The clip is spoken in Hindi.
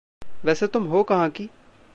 वैसे तुम हो कहाँ की?